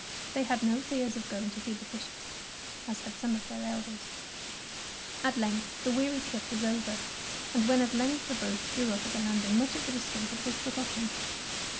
They had no fears of going to feed the fishes, as had some of their elders. At length the weary trip was over, 157 DEEDS OF DAEING and when at length the boats drew up at the landing much of the discomfort was forgotten.